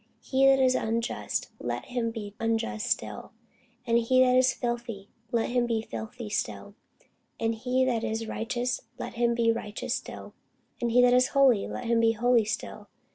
He that is unjust, let him be unjust still: and he which is filthy, let him be filthy still: and he that is righteous, let him be righteous still: and he that is holy, let him be holy still.